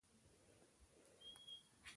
څنګه کولی شم د روژې وروسته وزن بېرته نه ډېرېږي